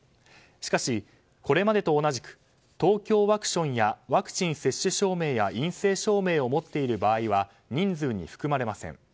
しかし、これまでと同じくＴＯＫＹＯワクションやワクチン接種証明や陰性証明を持っている場合は人数に含まれません。